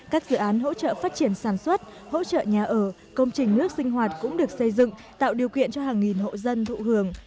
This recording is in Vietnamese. các dự án hỗ trợ phát triển sản xuất hỗ trợ nhà ở công trình nước sinh hoạt cũng được xây dựng tạo điều kiện cho hàng nghìn hộ dân thụ hưởng